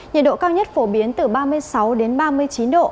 nhiệt độ cao nhất phổ biến từ ba mươi sáu đến ba mươi chín độ